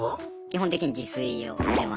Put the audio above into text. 基本的に自炊をしてます。